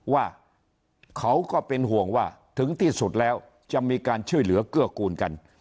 ว่าเขาก็เป็นห่วงว่าถึงที่สุดแล้วจะมีการช่วยเหลือเกื้อกูลกัน